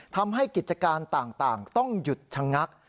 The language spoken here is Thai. ทำให้กิจการต่างต้องหยุดชะงัก